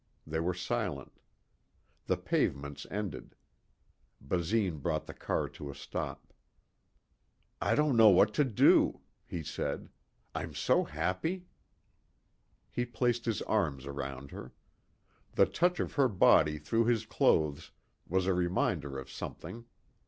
They were silent. The pavements ended. Basine brought the car to a stop. "I don't know what to do," he said. "I'm so happy." He placed his arms around her. The touch of her body through his clothes was a reminder of something.